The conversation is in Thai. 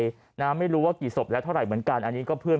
นะไม่รู้ว่ากี่ศพแล้วเท่าไหร่เหมือนกันอันนี้ก็เพื่อน